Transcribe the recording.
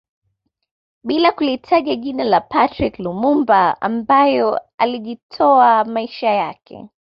Bila kulitaja jina la Patrice Lumumba ambaye alijitoa maisha yake